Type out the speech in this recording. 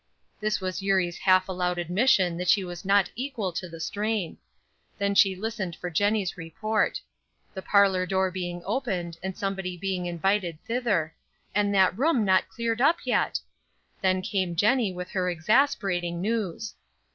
This was Eurie's half aloud admission that she was not equal to the strain. Then she listened for Jennie's report. The parlor door being opened, and somebody being invited thither; and that room not cleared up yet! Then came Jennie with her exasperating news.